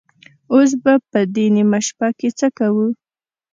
اوس به په دې نيمه شپه کې څه کوو؟